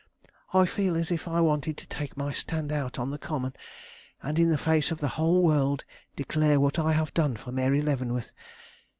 "I feel as if I wanted to take my stand out on the common, and, in the face of the whole world, declare what I have done for Mary Leavenworth.